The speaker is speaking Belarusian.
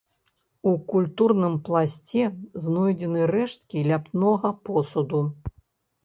У культурным пласце знойдзены рэшткі ляпнога посуду.